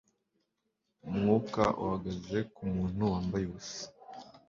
Umwuka uhagaze kumuntu wambaye ubusa